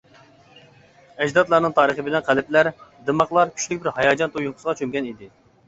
ئەجدادلارنىڭ تارىخى بىلەن قەلبلەر، دىماقلار كۈچلۈك بىر ھاياجان تۇيغۇسىغا چۆمگەن ئىدى.